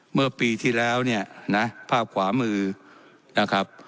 เมื่อปีที่แล้วเนี่ยนะภาพขวามือนะครับ